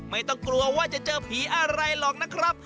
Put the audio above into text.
ไม่ต้องกลัวว่าจะเจอผีอะไรหรอกนะครับ